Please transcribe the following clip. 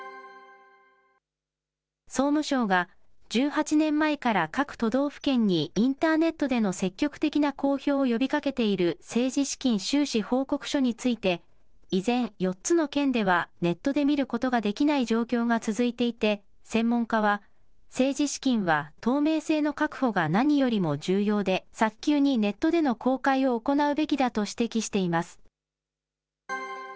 総務省が１８年前から各都道府県にインターネットでの積極的な公表を呼びかけている政治資金収支報告書について、依然４つの県では、ネットで見ることができない状況が続いていて、専門家は政治資金は透明性の確保が何よりも重要で、早急にネットでの公開を行うべきだと指摘しています。